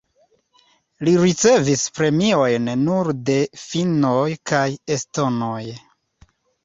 Li ricevis premiojn nur de finnoj kaj estonoj.